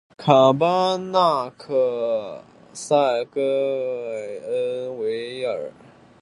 卡巴纳克塞盖恩维尔。